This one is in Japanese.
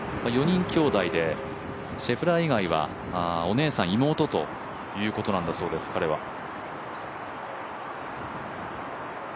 ４人きょうだいでシェフラー以外はお姉さん、妹ということなんだそうです、彼は。